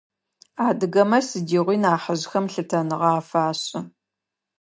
Адыгэмэ сыдигъуи нахьыжъхэм лъытэныгъэ афашӏы.